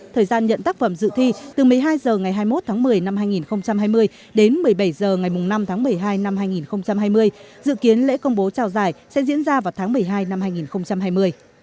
thời gian nhận tác phẩm dự thi từ một mươi hai h ngày hai mươi một tháng một mươi năm hai nghìn hai mươi đến một mươi bảy h ngày năm tháng một mươi hai năm hai nghìn hai mươi dự kiến lễ công bố trao giải sẽ diễn ra vào tháng một mươi hai năm hai nghìn hai mươi